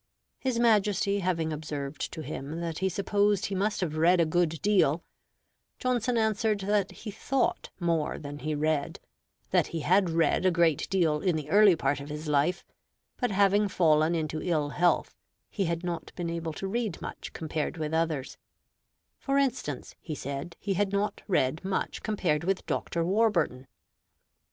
His Majesty having observed to him that he supposed he must have read a good deal, Johnson answered that he thought more than he read; that he had read a great deal in the early part of his life, but having fallen into ill health, he had not been able to read much compared with others: for instance, he said, he had not read much compared with Dr. Warburton.